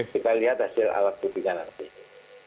kita lihat hasil alat buktinya nanti